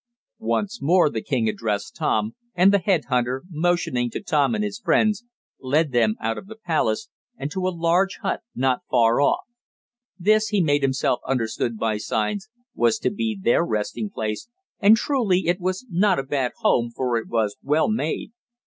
Once more the king addressed Tom, and the head hunter, motioning to Tom and his friends, led them out of the palace, and to a large hut not far off. This, he made himself understood by signs, was to be their resting place, and truly it was not a bad home, for it was well made.